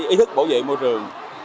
ý thức bảo vệ môi trường